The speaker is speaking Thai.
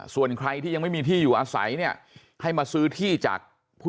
ส่วนใครที่ยังไม่มีที่อยู่อาศัยเนี่ยให้มาซื้อที่จากผู้